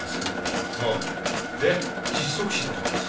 窒息死だそうです。